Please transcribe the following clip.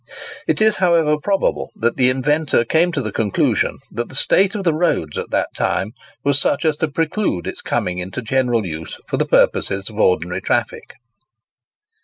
It is, however, probable that the inventor came to the conclusion that the state of the roads at that time was such as to preclude its coming into general use for purposes of ordinary traffic.